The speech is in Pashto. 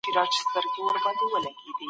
نو مي ناپامه ستا